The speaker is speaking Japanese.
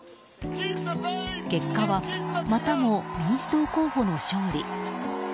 結果は、またも民主党候補の勝利。